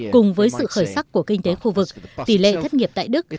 cùng với sự khởi sắc của kinh tế khu vực tỷ lệ thất nghiệp tại đức